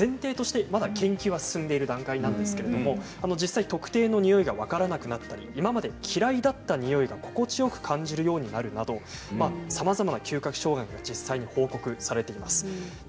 研究が進んでいる段階ですけれど、実際特定のにおいが分からなくなったり今まで嫌いだったにおいが心地よく感じるようになるなどさまざまな嗅覚障害実際に報告されているということです。